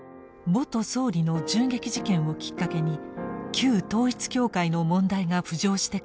元総理の銃撃事件をきっかけに旧統一教会の問題が浮上してから１年。